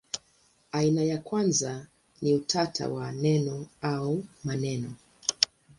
Aina ya kwanza ni utata wa neno au maneno.